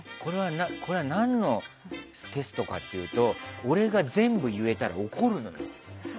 これは何のテストかっていうと俺が全部言えたら怒るのよ。